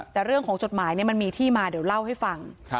แต่เรื่องของจดหมายมันมีที่มาเดี๋ยวเล่าให้ฟัง